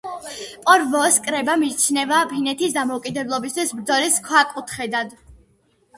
პორვოოს კრება მიიჩნევა ფინეთის დამოუკიდებლობისთვის ბრძოლის ქვაკუთხედად.